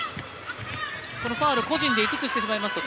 このファウル個人で５つしてしまいますと